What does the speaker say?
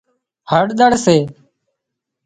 هۯۮۯ سي